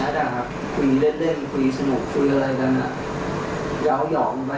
ถ้าเขามารู้ได้ยังไงถ้าเขามารู้จริงก็ห่วงว่า